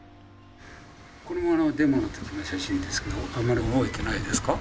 これがデモの時の写真ですけどあんまり覚えてないですか？